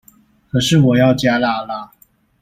可是我要加辣辣